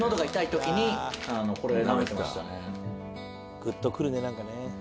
グッとくるねなんかね。